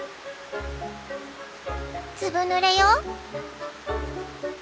「ずぶぬれよ！」。